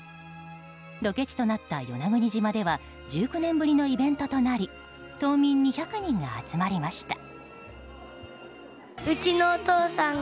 ロケ地となった与那国島では１９年ぶりのイベントとなり島民２００人が集まりました。